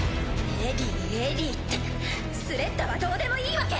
「エリィエリィ」ってスレッタはどうでもいいわけ